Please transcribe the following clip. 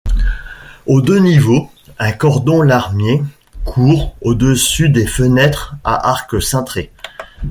Aux deux niveaux, un cordon-larmier court au-dessus des fenêtres à arc cintré.